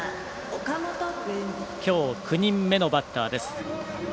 今日９人目のバッターです。